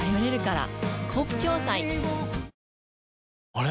あれ？